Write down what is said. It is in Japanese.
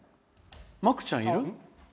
まくちゃん、いる？